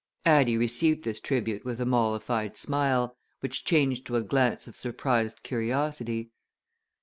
Addie received this tribute with a mollified smile, which changed to a glance of surprised curiosity.